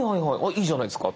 いいじゃないですか。